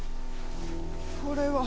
これは！